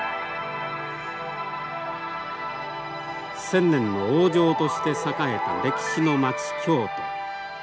千年の王城として栄えた歴史の町京都。